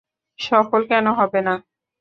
সফল কেন হবে না?